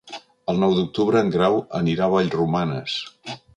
El nou d'octubre en Grau anirà a Vallromanes.